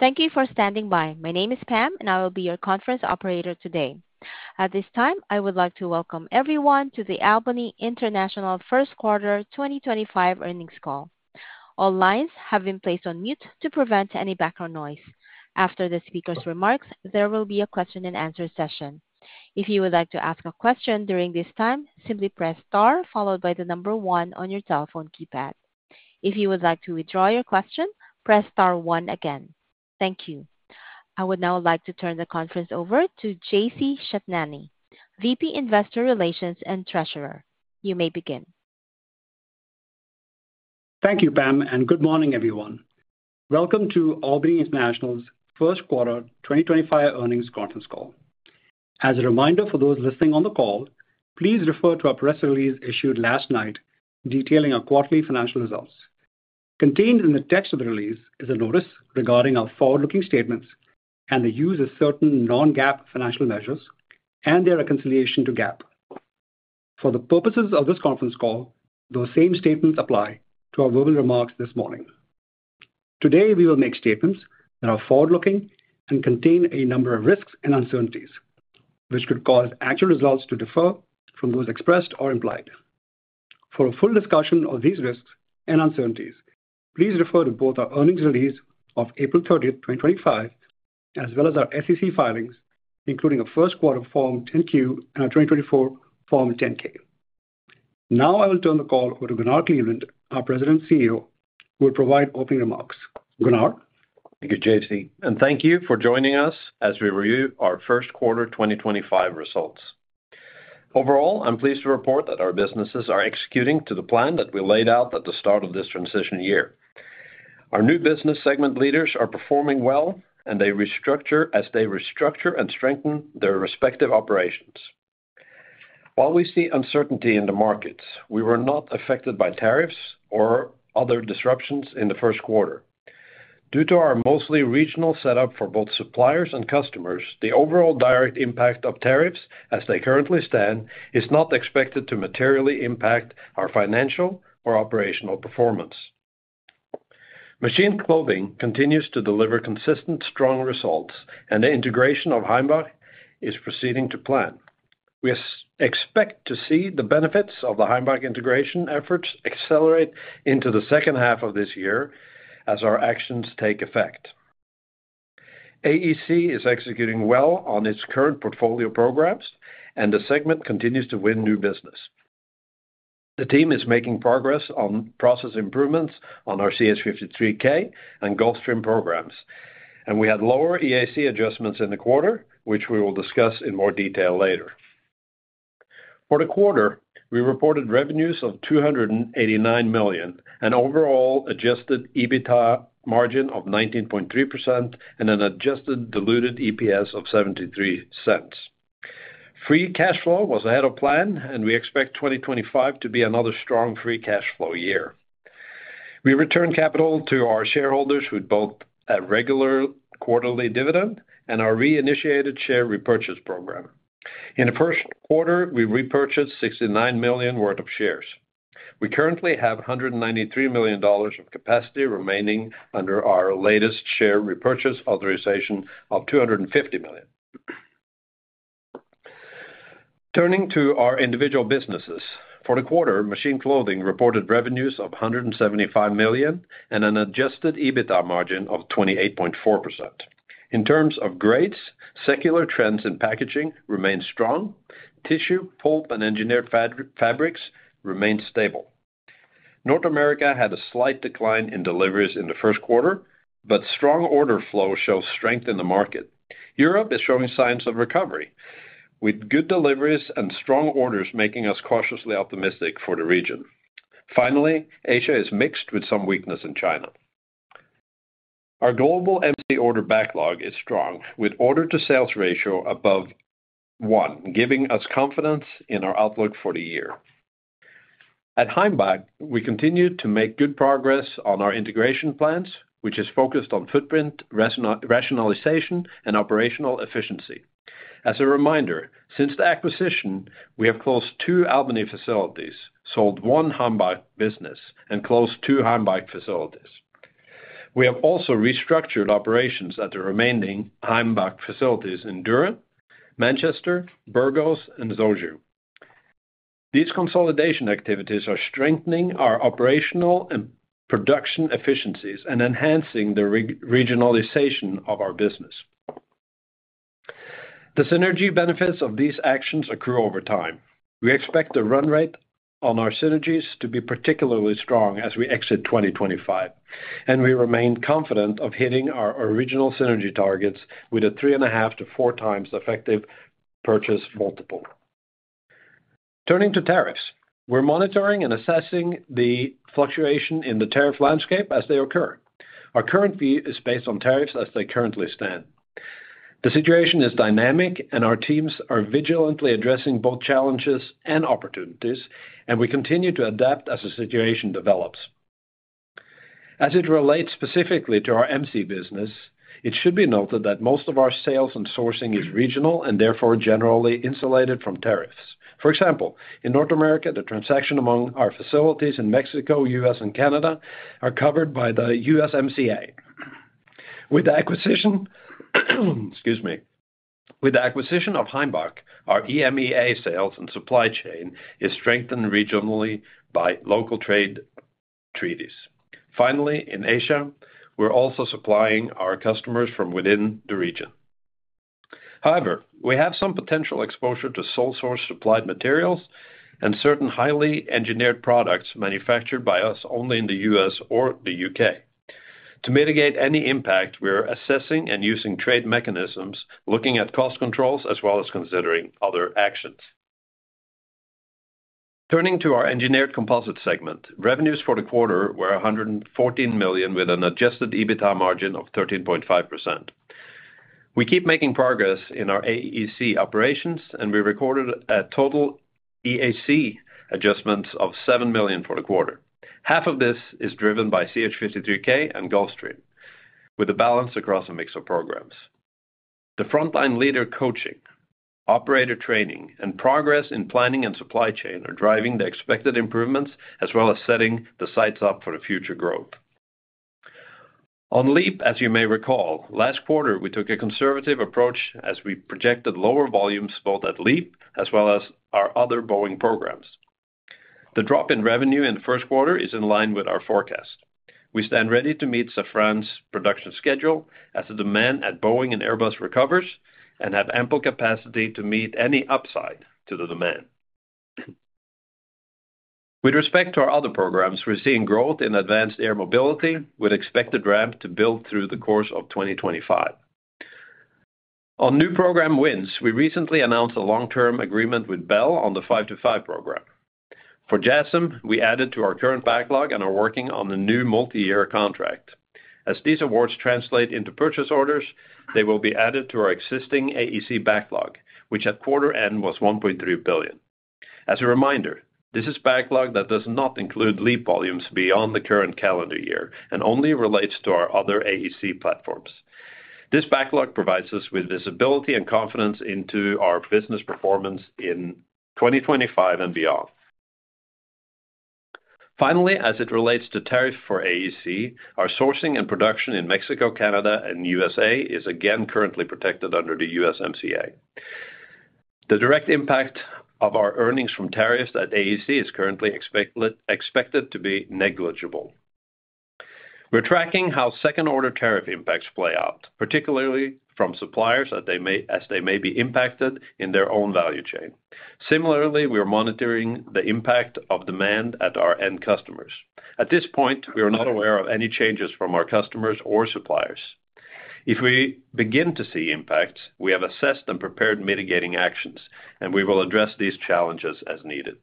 Thank you for standing by. My name is Pam, and I will be your conference operator today. At this time, I would like to welcome everyone to the Albany International First Quarter 2025 earnings call. All lines have been placed on mute to prevent any background noise. After the speaker's remarks, there will be a question-and-answer session. If you would like to ask a question during this time, simply press star followed by the number one on your telephone keypad. If you would like to withdraw your question, press star one again. Thank you. I would now like to turn the conference over to JC Chetnani, VP Investor Relations and Treasurer. You may begin. Thank you, Pam, and good morning, everyone. Welcome to Albany International's First Quarter 2025 earnings conference call. As a reminder for those listening on the call, please refer to our press release issued last night detailing our quarterly financial results. Contained in the text of the release is a notice regarding our forward-looking statements and the use of certain non-GAAP financial measures and their reconciliation to GAAP. For the purposes of this conference call, those same statements apply to our verbal remarks this morning. Today, we will make statements that are forward-looking and contain a number of risks and uncertainties, which could cause actual results to differ from those expressed or implied. For a full discussion of these risks and uncertainties, please refer to both our earnings release of April 30th, 2025, as well as our SEC filings, including our first quarter form 10-Q and our 2024 form 10-K. Now, I will turn the call over to Gunnar Kleveland, our President and CEO, who will provide opening remarks. Gunnar. Thank you, JC. Thank you for joining us as we review our first quarter 2025 results. Overall, I'm pleased to report that our businesses are executing to the plan that we laid out at the start of this transition year. Our new business segment leaders are performing well, as they restructure and strengthen their respective operations. While we see uncertainty in the markets, we were not affected by tariffs or other disruptions in the first quarter. Due to our mostly regional setup for both suppliers and customers, the overall direct impact of tariffs, as they currently stand, is not expected to materially impact our financial or operational performance. Machine Clothing continues to deliver consistent, strong results, and the integration of Heimbach is proceeding to plan. We expect to see the benefits of the Heimbach integration efforts accelerate into the second half of this year as our actions take effect. AEC is executing well on its current portfolio programs, and the segment continues to win new business. The team is making progress on process improvements on our CH-53K and Gulfstream programs, and we had lower EAC adjustments in the quarter, which we will discuss in more detail later. For the quarter, we reported revenues of $289 million and overall adjusted EBITDA margin of 19.3% and an adjusted diluted EPS of $0.73. Free cash flow was ahead of plan, and we expect 2025 to be another strong free cash flow year. We returned capital to our shareholders with both a regular quarterly dividend and our re-initiated share repurchase program. In the first quarter, we repurchased $69 million worth of shares. We currently have $193 million of capacity remaining under our latest share repurchase authorization of $250 million. Turning to our individual businesses, for the quarter, Machine Clothing reported revenues of $175 million and an adjusted EBITDA margin of 28.4%. In terms of grades, secular trends in packaging remain strong. Tissue, pulp, and engineered fabrics remain stable. North America had a slight decline in deliveries in the first quarter, but strong order flow shows strength in the market. Europe is showing signs of recovery, with good deliveries and strong orders making us cautiously optimistic for the region. Finally, Asia is mixed with some weakness in China. Our global MC order backlog is strong, with order-to-sales ratio above one, giving us confidence in our outlook for the year. At Heimbach, we continue to make good progress on our integration plans, which is focused on footprint rationalization and operational efficiency. As a reminder, since the acquisition, we have closed two Albany facilities, sold one Heimbach business, and closed two Heimbach facilities. We have also restructured operations at the remaining Heimbach facilities in Durham, Manchester, Burgos, and Zhongzhou. These consolidation activities are strengthening our operational and production efficiencies and enhancing the regionalization of our business. The synergy benefits of these actions accrue over time. We expect the run rate on our synergies to be particularly strong as we exit 2025, and we remain confident of hitting our original synergy targets with a three and a half to four times effective purchase multiple. Turning to tariffs, we're monitoring and assessing the fluctuation in the tariff landscape as they occur. Our current view is based on tariffs as they currently stand. The situation is dynamic, and our teams are vigilantly addressing both challenges and opportunities, and we continue to adapt as the situation develops. As it relates specifically to our MC business, it should be noted that most of our sales and sourcing is regional and therefore generally insulated from tariffs. For example, in North America, the transaction among our facilities in Mexico, U.S., and Canada are covered by the USMCA. With the acquisition, excuse me, with the acquisition of Heimbach, our EMEA sales and supply chain is strengthened regionally by local trade treaties. Finally, in Asia, we're also supplying our customers from within the region. However, we have some potential exposure to sole-source supplied materials and certain highly engineered products manufactured by us only in the U.S. or the UK, To mitigate any impact, we're assessing and using trade mechanisms, looking at cost controls as well as considering other actions. Turning to our engineered composite segment, revenues for the quarter were $114 million with an adjusted EBITDA margin of 13.5%. We keep making progress in our AEC operations, and we recorded a total EAC adjustments of $7 million for the quarter. Half of this is driven by CH-53K and Gulfstream, with a balance across a mix of programs. The frontline leader coaching, operator training, and progress in planning and supply chain are driving the expected improvements as well as setting the sights up for future growth. On LEAP, as you may recall, last quarter, we took a conservative approach as we projected lower volumes both at LEAP as well as our other Boeing programs. The drop in revenue in the first quarter is in line with our forecast. We stand ready to meet Safran's production schedule as the demand at Boeing and Airbus recovers and have ample capacity to meet any upside to the demand. With respect to our other programs, we're seeing growth in advanced air mobility with expected ramp to build through the course of 2025. On new program wins, we recently announced a long-term agreement with Bell on the 525 program. For JASSM, we added to our current backlog and are working on a new multi-year contract. As these awards translate into purchase orders, they will be added to our existing AEC backlog, which at quarter end was $1.3 billion. As a reminder, this is backlog that does not include LEAP volumes beyond the current calendar year and only relates to our other AEC platforms. This backlog provides us with visibility and confidence into our business performance in 2025 and beyond. Finally, as it relates to tariffs for AEC, our sourcing and production in Mexico, Canada, and the USA is again currently protected under the USMCA. The direct impact of our earnings from tariffs at AEC is currently expected to be negligible. We're tracking how second-order tariff impacts play out, particularly from suppliers as they may be impacted in their own value chain. Similarly, we are monitoring the impact of demand at our end customers. At this point, we are not aware of any changes from our customers or suppliers. If we begin to see impacts, we have assessed and prepared mitigating actions, and we will address these challenges as needed.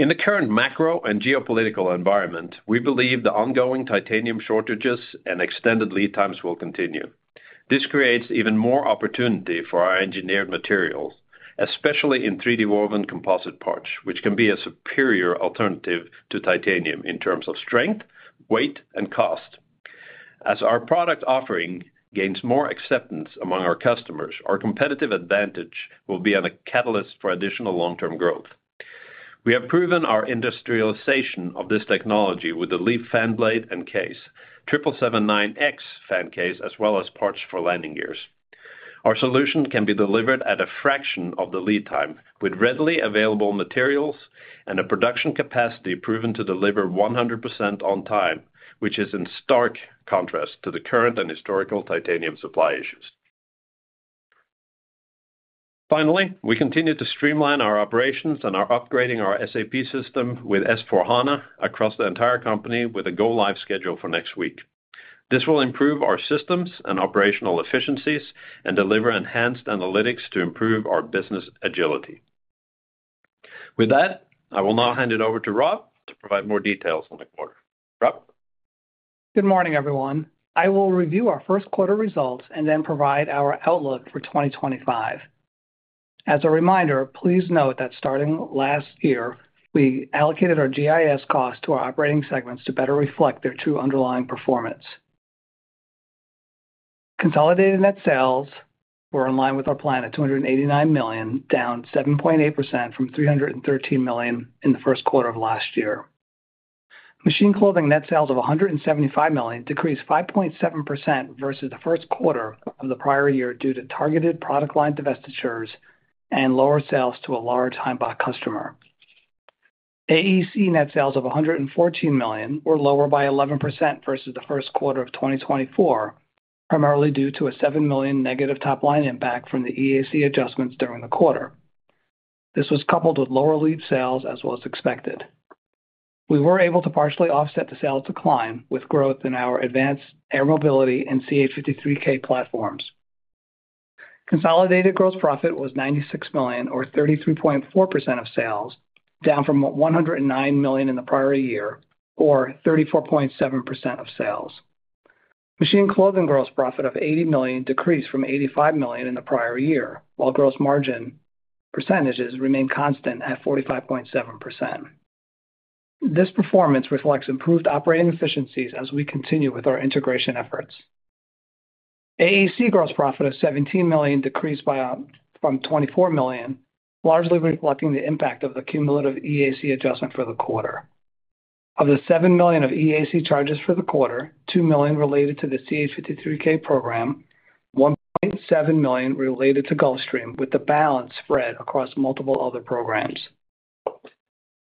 In the current macro and geopolitical environment, we believe the ongoing titanium shortages and extended lead times will continue. This creates even more opportunity for our engineered materials, especially in 3D woven composite parts, which can be a superior alternative to titanium in terms of strength, weight, and cost. As our product offering gains more acceptance among our customers, our competitive advantage will be a catalyst for additional long-term growth. We have proven our industrialization of this technology with the LEAP fan blade and case, 777-9X fan case, as well as parts for landing gears. Our solution can be delivered at a fraction of the lead time with readily available materials and a production capacity proven to deliver 100% on time, which is in stark contrast to the current and historical titanium supply issues. Finally, we continue to streamline our operations and are upgrading our SAP system with S/4HANA across the entire company with a go-live schedule for next week. This will improve our systems and operational efficiencies and deliver enhanced analytics to improve our business agility. With that, I will now hand it over to Rob to provide more details on the quarter. Rob. Good morning, everyone. I will review our first quarter results and then provide our outlook for 2025. As a reminder, please note that starting last year, we allocated our GIS costs to our operating segments to better reflect their true underlying performance. Consolidated net sales were in line with our plan at $289 million, down 7.8% from $313 million in the first quarter of last year. Machine Clothing net sales of $175 million decreased 5.7% versus the first quarter of the prior year due to targeted product line divestitures and lower sales to a large Heimbach customer. AEC net sales of $114 million were lower by 11% versus the first quarter of 2024, primarily due to a $7 million negative top-line impact from the EAC adjustments during the quarter. This was coupled with lower LEAP sales as was expected. We were able to partially offset the sales decline with growth in our advanced air mobility and CH-53K platforms. Consolidated gross profit was $96 million, or 33.4% of sales, down from $109 million in the prior year, or 34.7% of sales. Machine Clothing gross profit of $80 million decreased from $85 million in the prior year, while gross margin percentages remained constant at 45.7%. This performance reflects improved operating efficiencies as we continue with our integration efforts. AEC gross profit of $17 million decreased from $24 million, largely reflecting the impact of the cumulative EAC adjustment for the quarter. Of the $7 million of EAC charges for the quarter, $2 million related to the CH-53K program, $1.7 million related to Gulfstream, with the balance spread across multiple other programs.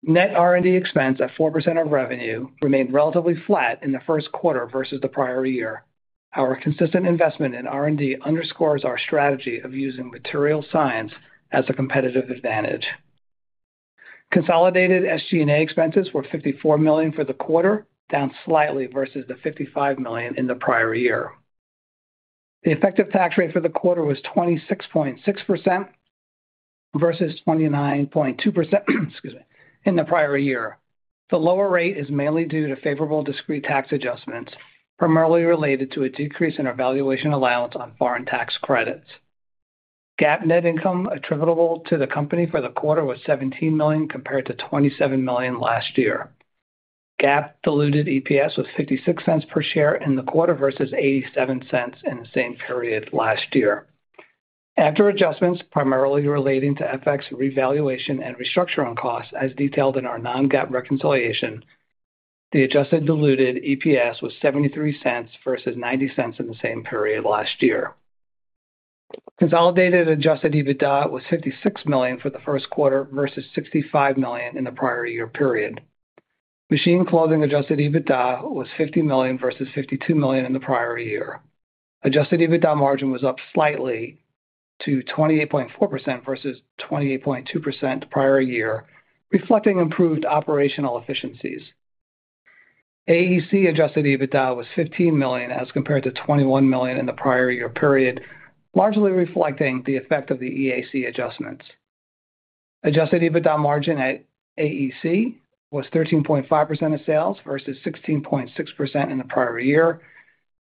Net R&D expense at 4% of revenue remained relatively flat in the first quarter versus the prior year. Our consistent investment in R&D underscores our strategy of using material science as a competitive advantage. Consolidated SG&A expenses were $54 million for the quarter, down slightly versus the $55 million in the prior year. The effective tax rate for the quarter was 26.6% versus 29.2% in the prior year. The lower rate is mainly due to favorable discrete tax adjustments, primarily related to a decrease in our valuation allowance on foreign tax credits. GAAP net income attributable to the company for the quarter was $17 million compared to $27 million last year. GAAP diluted EPS was $0.56 per share in the quarter versus $0.87 in the same period last year. After adjustments primarily relating to FX revaluation and restructuring costs, as detailed in our non-GAAP reconciliation, the adjusted diluted EPS was $0.73 versus $0.90 in the same period last year. Consolidated adjusted EBITDA was $56 million for the first quarter versus $65 million in the prior year period. Machine Clothing adjusted EBITDA was $50 million versus $52 million in the prior year. Adjusted EBITDA margin was up slightly to 28.4% versus 28.2% prior year, reflecting improved operational efficiencies. AEC adjusted EBITDA was $15 million as compared to $21 million in the prior year period, largely reflecting the effect of the EAC adjustments. Adjusted EBITDA margin at AEC was 13.5% of sales versus 16.6% in the prior year,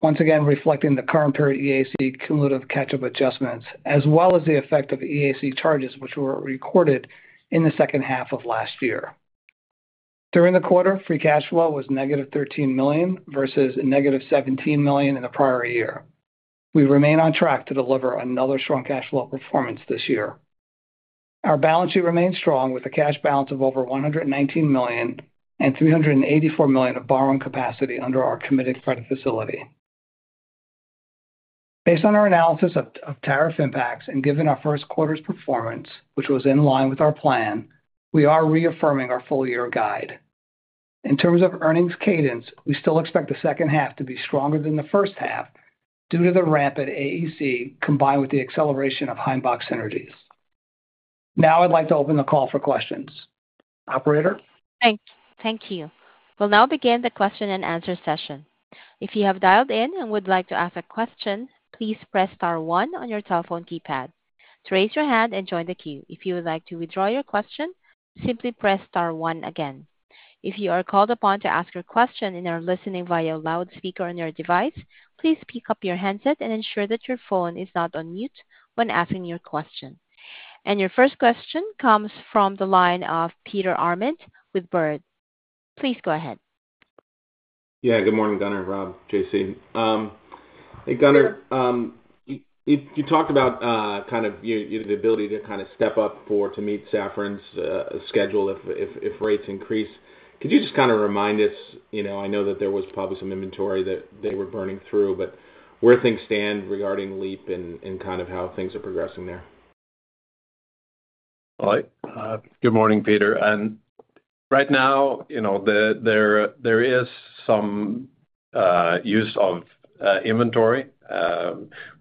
once again reflecting the current period EAC cumulative catch-up adjustments, as well as the effect of EAC charges, which were recorded in the second half of last year. During the quarter, free cash flow was negative $13 million versus negative $17 million in the prior year. We remain on track to deliver another strong cash flow performance this year. Our balance sheet remains strong with a cash balance of over $119 million and $384 million of borrowing capacity under our committed credit facility. Based on our analysis of tariff impacts and given our first quarter's performance, which was in line with our plan, we are reaffirming our full-year guide. In terms of earnings cadence, we still expect the second half to be stronger than the first half due to the ramp at AEC combined with the acceleration of Heimbach synergies. Now I'd like to open the call for questions. Operator. Thank you. We will now begin the question and answer session. If you have dialed in and would like to ask a question, please press star one on your telephone keypad. Raise your hand and join the queue. If you would like to withdraw your question, simply press star one again. If you are called upon to ask your question and are listening via loudspeaker on your device, please pick up your handset and ensure that your phone is not on mute when asking your question. Your first question comes from the line of Peter Arment with Bird. Please go ahead. Yeah, good morning, Gunnar, Rob, JC. Hey, Gunnar, you talked about kind of the ability to kind of step up to meet Safran's schedule if rates increase. Could you just kind of remind us? I know that there was probably some inventory that they were burning through, but where things stand regarding LEAP and kind of how things are progressing there? Hi, good morning, Peter. Right now, there is some use of inventory.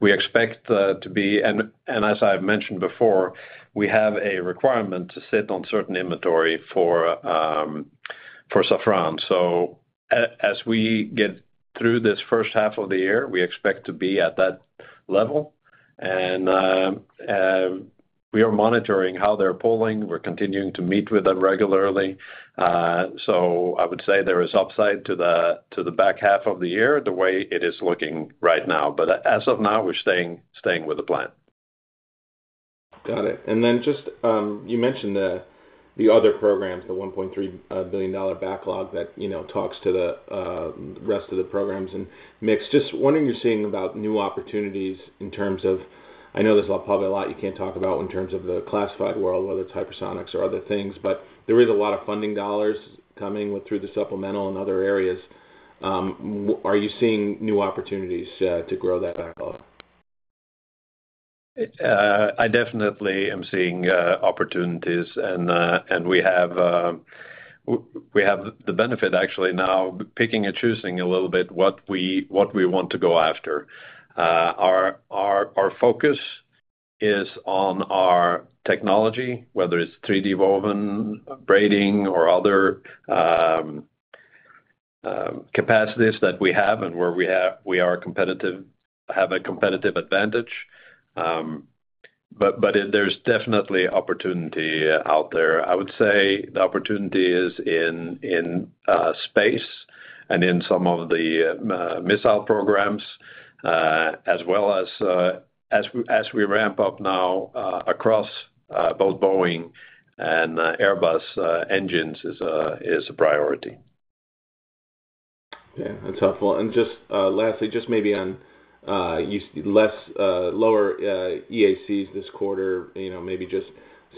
We expect to be, and as I've mentioned before, we have a requirement to sit on certain inventory for Safran. As we get through this first half of the year, we expect to be at that level. We are monitoring how they're pulling. We're continuing to meet with them regularly. I would say there is upside to the back half of the year the way it is looking right now. As of now, we're staying with the plan. Got it. You mentioned the other programs, the $1.3 billion backlog that talks to the rest of the programs and mix. Just wondering, you're seeing about new opportunities in terms of, I know there's probably a lot you can't talk about in terms of the classified world, whether it's hypersonics or other things, but there is a lot of funding dollars coming through the supplemental and other areas. Are you seeing new opportunities to grow that backlog? I definitely am seeing opportunities. We have the benefit actually now picking and choosing a little bit what we want to go after. Our focus is on our technology, whether it's 3D woven braiding or other capacities that we have and where we have a competitive advantage. There is definitely opportunity out there. I would say the opportunity is in space and in some of the missile programs, as well as as we ramp up now across both Boeing and Airbus engines is a priority. Yeah, that's helpful. Just lastly, maybe on lower EACs this quarter, maybe just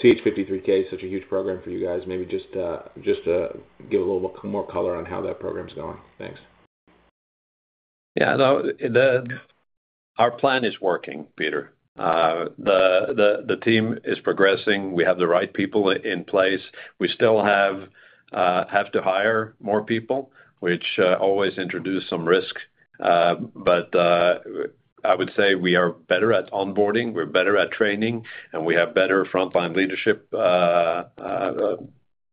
CH-53K, such a huge program for you guys, maybe just give a little more color on how that program's going. Thanks. Yeah, our plan is working, Peter. The team is progressing. We have the right people in place. We still have to hire more people, which always introduces some risk. I would say we are better at onboarding. We're better at training, and we have better frontline leadership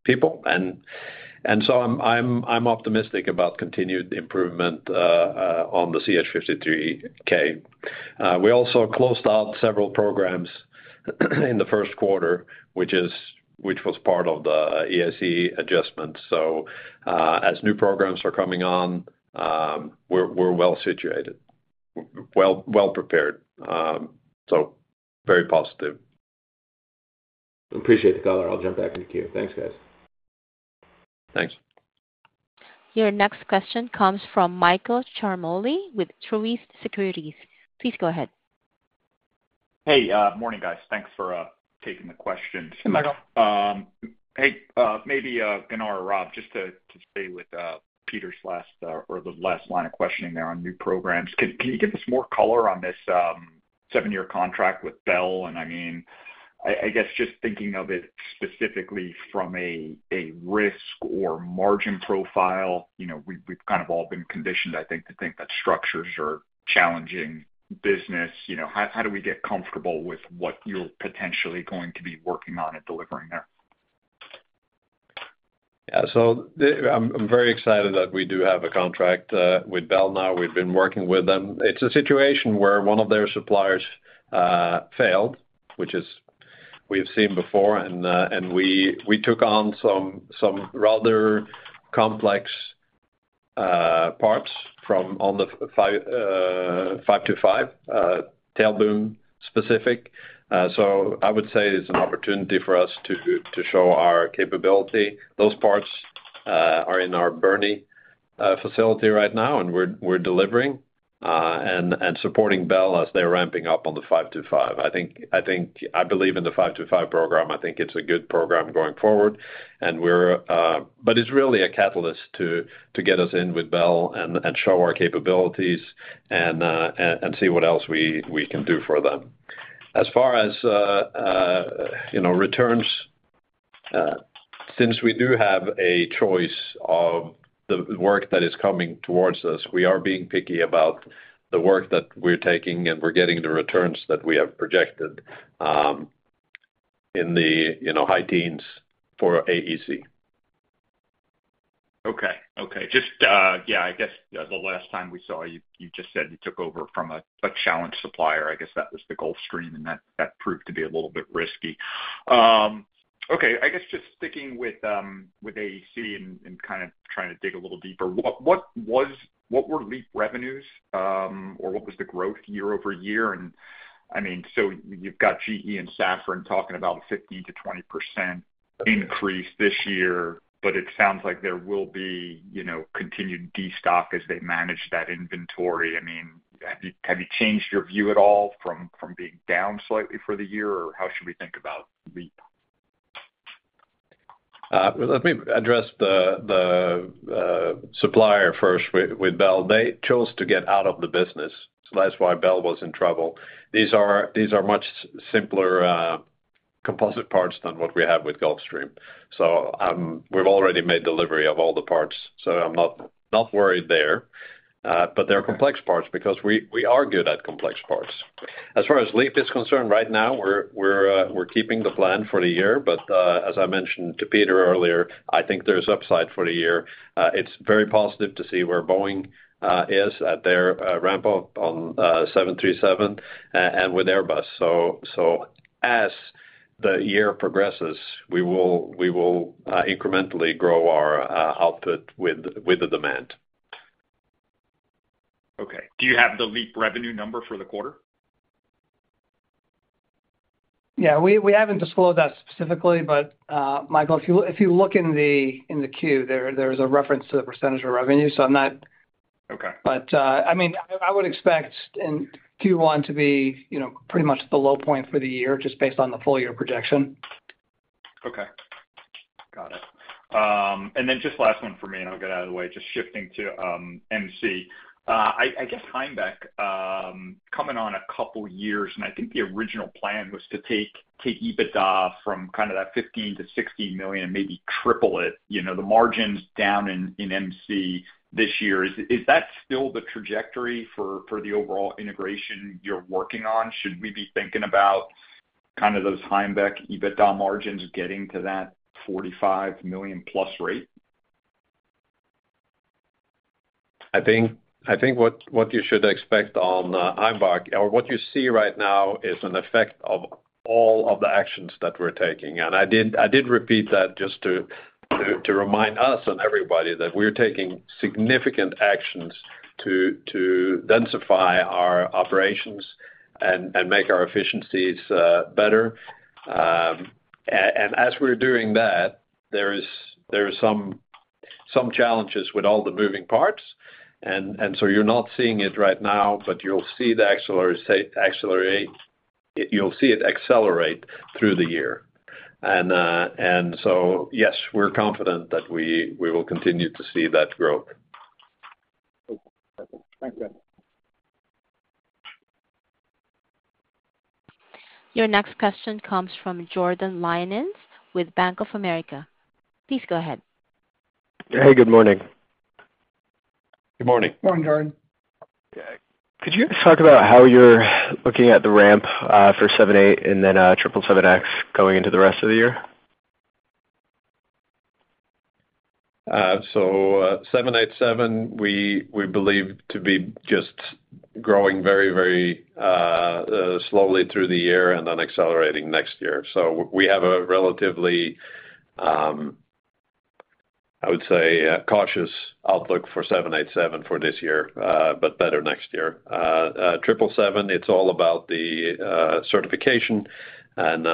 people. I am optimistic about continued improvement on the CH-53K. We also closed out several programs in the first quarter, which was part of the EAC adjustments. As new programs are coming on, we are well situated, well prepared. Very positive. Appreciate the color. I'll jump back into queue. Thanks, guys. Thanks. Your next question comes from Michael Charmolly with Truist Securities. Please go ahead. Hey, morning, guys. Thanks for taking the question. Hey, Michael. Hey, maybe Gunnar or Rob, just to stay with Peter's last or the last line of questioning there on new programs. Can you give us more color on this seven-year contract with Bell? I mean, I guess just thinking of it specifically from a risk or margin profile, we've kind of all been conditioned, I think, to think that structures are challenging business. How do we get comfortable with what you're potentially going to be working on and delivering there? Yeah, so I'm very excited that we do have a contract with Bell now. We've been working with them. It's a situation where one of their suppliers failed, which we've seen before. We took on some rather complex parts from on the 525 tail boom specific. I would say it's an opportunity for us to show our capability. Those parts are in our Bernie facility right now, and we're delivering and supporting Bell as they're ramping up on the 525. I believe in the 525 program. I think it's a good program going forward. It's really a catalyst to get us in with Bell and show our capabilities and see what else we can do for them. As far as returns, since we do have a choice of the work that is coming towards us, we are being picky about the work that we're taking and we're getting the returns that we have projected in the high teens for AEC. Okay. Okay. Just, yeah, I guess the last time we saw you, you just said you took over from a challenged supplier. I guess that was the Gulfstream, and that proved to be a little bit risky. Okay. I guess just sticking with AEC and kind of trying to dig a little deeper, what were LEAP revenues or what was the growth year-over-year? I mean, you've got GE and Safran talking about a 15%-20% increase this year, but it sounds like there will be continued destock as they manage that inventory. I mean, have you changed your view at all from being down slightly for the year, or how should we think about LEAP? Let me address the supplier first with Bell. They chose to get out of the business, so that's why Bell was in trouble. These are much simpler composite parts than what we have with Gulfstream. We've already made delivery of all the parts, so I'm not worried there. They're complex parts because we are good at complex parts. As far as LEAP is concerned, right now, we're keeping the plan for the year. As I mentioned to Peter earlier, I think there's upside for the year. It's very positive to see where Boeing is at their ramp-up on 737 and with Airbus. As the year progresses, we will incrementally grow our output with the demand. Okay. Do you have the LEAP revenue number for the quarter? Yeah, we haven't disclosed that specifically, but Michael, if you look in the queue, there is a reference to the percentage of revenue, so I'm not. Okay. I mean, I would expect in Q1 to be pretty much the low point for the year just based on the full-year projection. Okay. Got it. Just last one for me, and I'll get out of the way, just shifting to MC. I guess Heimbach coming on a couple of years, and I think the original plan was to take EBITDA from kind of that $15 million-$60 million and maybe triple it. The margins down in MC this year. Is that still the trajectory for the overall integration you're working on? Should we be thinking about kind of those Heimbach EBITDA margins getting to that $45 million-plus rate? I think what you should expect on Heimbach, or what you see right now, is an effect of all of the actions that we're taking. I did repeat that just to remind us and everybody that we're taking significant actions to densify our operations and make our efficiencies better. As we're doing that, there are some challenges with all the moving parts. You're not seeing it right now, but you'll see that accelerate through the year. Yes, we're confident that we will continue to see that growth. Thanks, guys. Your next question comes from Jordan Lyonens with Bank of America. Please go ahead. Hey, good morning. Good morning. Morning, Jordan. Could you talk about how you're looking at the ramp for 78 and then 777X going into the rest of the year? 787, we believe to be just growing very, very slowly through the year and then accelerating next year. We have a relatively, I would say, cautious outlook for 787 for this year, but better next year. 777, it's all about the certification, and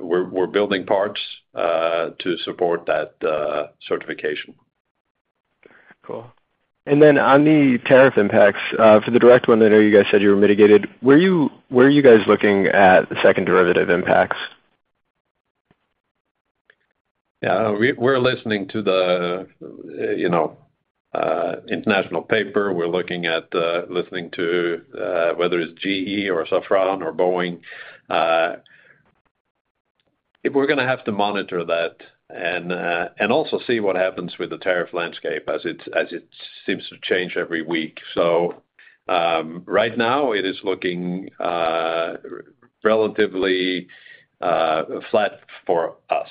we're building parts to support that certification. Cool. On the tariff impacts, for the direct one there, you guys said you were mitigated. Where are you guys looking at the second derivative impacts? Yeah, we're listening to International Paper. We're looking at listening to whether it's GE or Safran or Boeing. If we're going to have to monitor that and also see what happens with the tariff landscape as it seems to change every week. Right now, it is looking relatively flat for us.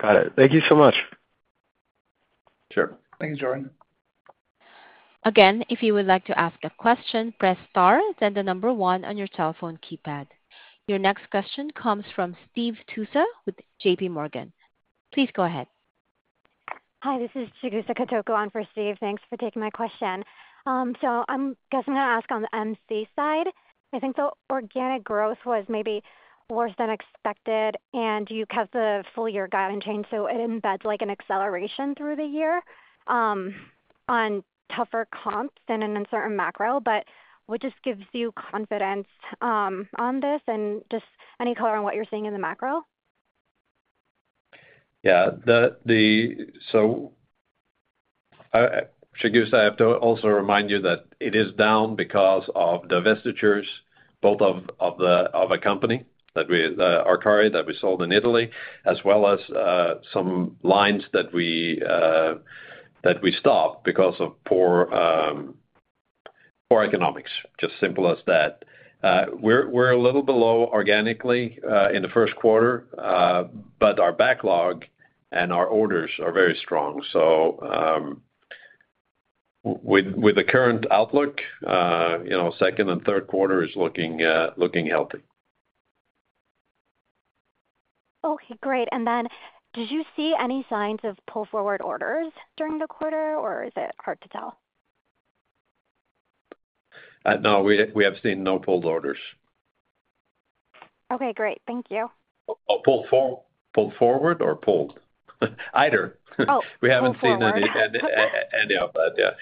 Got it. Thank you so much. Sure. Thanks, Jordan. Again, if you would like to ask a question, press star, then the number one on your cell phone keypad. Your next question comes from Steve Tusa with JPMorgan. Please go ahead. Hi, this is Chigusa Katoku on for Steve. Thanks for taking my question. I guess I'm going to ask on the MC side. I think the organic growth was maybe worse than expected, and you have the full-year guidance change, so it embeds an acceleration through the year on tougher comps and an uncertain macro, but what just gives you confidence on this and just any color on what you're seeing in the macro? Yeah. Chigusa, I have to also remind you that it is down because of divestitures, both of a company, our car that we sold in Italy, as well as some lines that we stopped because of poor economics. Just simple as that. We're a little below organically in the first quarter, but our backlog and our orders are very strong. With the current outlook, second and third quarter is looking healthy. Okay, great. Did you see any signs of pull-forward orders during the quarter, or is it hard to tell? No, we have seen no pulled orders. Okay, great. Thank you. Pull forward or pulled? Either. Oh, pulled. We haven't seen any of that yet.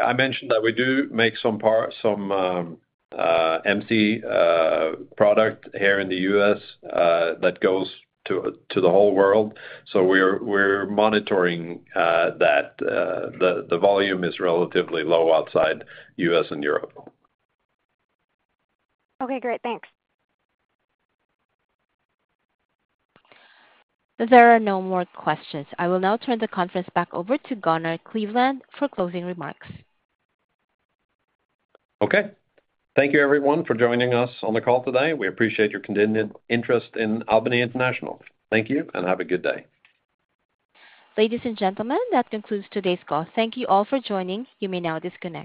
I mentioned that we do make some MC product here in the U.S. that goes to the whole world. We are monitoring that. The volume is relatively low outside the U.S. and Europe. Okay, great. Thanks. There are no more questions. I will now turn the conference back over to Gunnar Kleveland for closing remarks. Okay. Thank you, everyone, for joining us on the call today. We appreciate your continued interest in Albany International. Thank you, and have a good day. Ladies and gentlemen, that concludes today's call. Thank you all for joining. You may now disconnect.